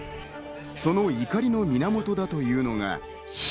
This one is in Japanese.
その怒りの源だというのが。